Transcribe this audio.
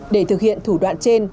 để thực hiện thủ đoạn trên